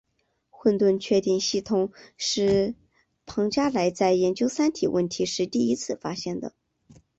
混沌确定系统是庞加莱在研究三体问题时第一次发现的。